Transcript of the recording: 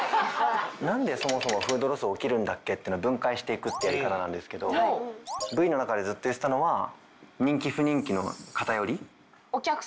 何でそもそもフードロス起きるんだっけって分解していくってやり方なんですけどＶの中でずっと言ってたのは人気・不人気の偏り。